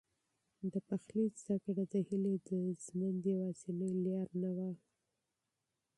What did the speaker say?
د پخلي زده کړه د هیلې د ژوند یوازینۍ لاره نه وه.